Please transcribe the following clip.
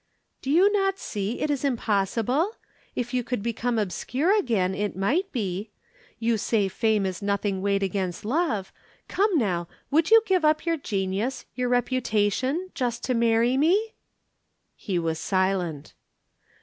"Do you not see it is impossible? If you could become obscure again, it might be. You say fame is nothing weighed against love. Come now, would you give up your genius, your reputation, just to marry me?" He was silent.